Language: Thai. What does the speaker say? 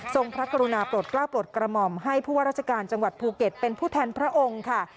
พระกรุณาปลดกล้าปลดกระหม่อมให้ผู้ว่าราชการจังหวัดภูเก็ตเป็นผู้แทนพระองค์ค่ะ